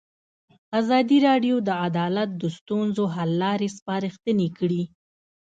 ازادي راډیو د عدالت د ستونزو حل لارې سپارښتنې کړي.